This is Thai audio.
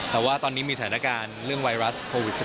แต่ว่าตอนนี้มีสถานการณ์เรื่องไวรัสโควิด๑๙